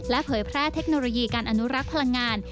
เผยแพร่เทคโนโลยีการอนุรักษ์พลังงาน